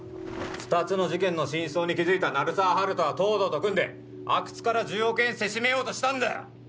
二つの事件の真相に気づいた鳴沢温人は東堂と組んで阿久津から１０億円せしめようとしたんだよ！